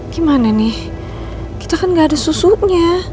gimana nih kita kan gak ada susunya